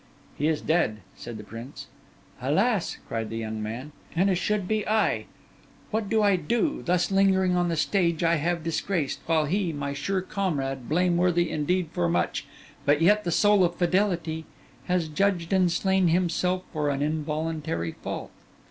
'He is dead,' said the prince. 'Alas!' cried the young man, 'and it should be I! What do I do, thus lingering on the stage I have disgraced, while he, my sure comrade, blameworthy indeed for much, but yet the soul of fidelity, has judged and slain himself for an involuntary fault?